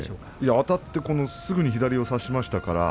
あたってすぐ左を差しました。